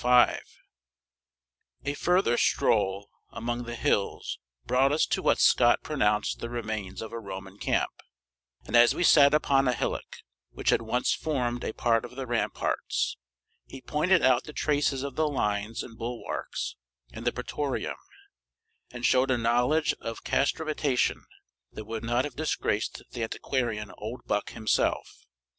A further stroll among the hills brought us to what Scott pronounced the remains of a Roman camp, and as we sat upon a hillock which had once formed a part of the ramparts, he pointed out the traces of the lines and bulwarks, and the pratorium, and showed a knowledge of castramatation that would not have disgraced the antiquarian Oldbuck himself.